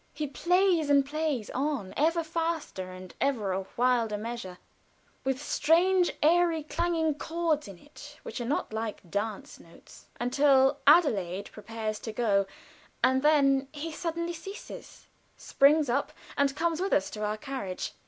He plays and plays on, ever faster, and ever a wilder measure, with strange eerie clanging chords in it which are not like dance notes, until Adelaide prepares to go, and then he suddenly ceases, springs up, and comes with us to our carriage.